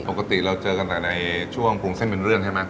ปกติเราเจอกันตั้งแต่ช่วงภูมิเส้นเป็นเรื่องใช่มั้ย